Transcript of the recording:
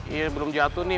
iya belum jatuh nih